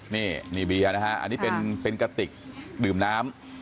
นี่นี่เบียร์นะฮะอันนี้เป็นกระติกดื่มน้ำ